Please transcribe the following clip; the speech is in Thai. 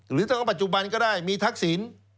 หรือต้องก็ว่าปัจจุบันก็ได้มีทักษิญ